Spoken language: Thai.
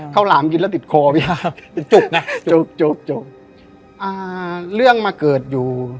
ข้าวลามกินแล้วติดคอพี่จุบนะจุบจุบอ่าเรื่องมาเกิดอยู่